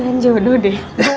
kayaknya lo mulai jodoh deh